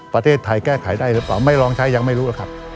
ประเทศไทยแก้ไขได้หรือเปล่าไม่ลองใช้ยังไม่รู้หรอกครับ